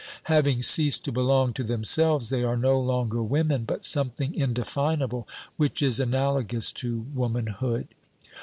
Having ceased to belong to themselves, they are no longer women, but something indefinable which is analogous to womanhood.